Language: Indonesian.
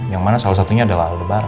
yang mana salah satunya adalah lebaran